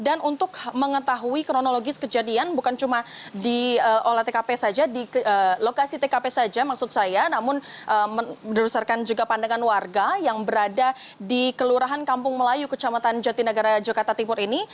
dan untuk mengetahui kronologis kejadian bukan cuman di olah tkp saja di lokasi tkp saja maksud saya namun berdasarkan juga pandangan warga yang berada di kelurahan kampung melayu kecamatan jatinegara jatate timur ini